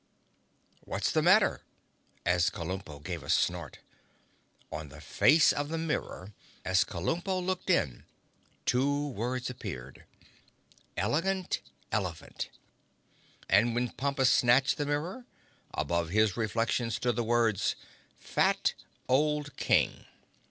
"What's the matter?" as Kabumpo gave a snort. On the face of the mirror, as Kabumpo looked in, two words appeared: Elegant Elephant. And when Pompus snatched the mirror, above his reflection stood the words: Fat Old King.